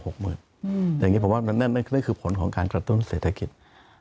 อย่างนี้ผมว่านั่นก็คือผลของการกระตุ้นเศรษฐกิจ